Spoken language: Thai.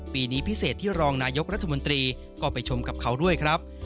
ปีนี้พิเศษที่รองนายกรัฐมนตรีก็ไปชมกับเขาด้วยครับ